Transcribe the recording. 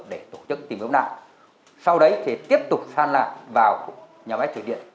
để tổ chức tìm kiếm nạn sau đấy thì tiếp tục săn nạn vào nhà máy chữa điện